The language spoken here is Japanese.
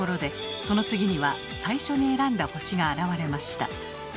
その次には最初に選んだ星が現れました。